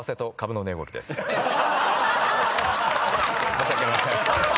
申し訳ありません。